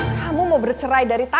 kamu mau bercerai dari tangan